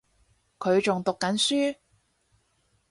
佢仲讀緊書